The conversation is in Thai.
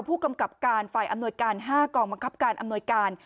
ผู้กำกับการฝ่ายอำนวยการ๕กองบังคับการอำนวยการ